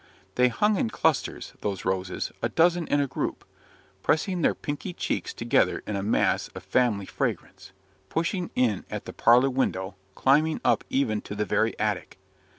They hung in clusters those roses a dozen in a group; pressing their pinky cheeks together in a mass of family fragrance, pushing in at the parlour window, climbing up even to the very attic.